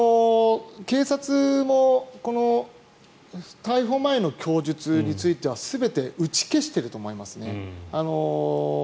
警察も逮捕前の供述については全て打ち消していると思いますね。